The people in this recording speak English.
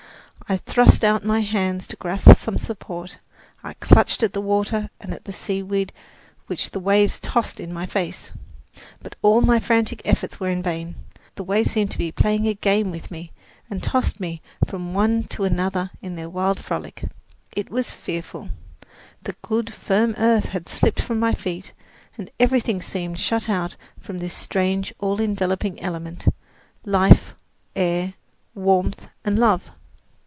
I thrust out my hands to grasp some support, I clutched at the water and at the seaweed which the waves tossed in my face. But all my frantic efforts were in vain. The waves seemed to be playing a game with me, and tossed me from one to another in their wild frolic. It was fearful! The good, firm earth had slipped from my feet, and everything seemed shut out from this strange, all enveloping element life, air, warmth and love.